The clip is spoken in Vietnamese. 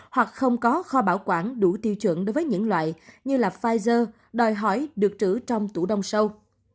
hoặc không có kho bảo quản đủ tiêu chuẩn đối với những loại như là pfizer đòi hỏi được trữ trong tủ đông sâu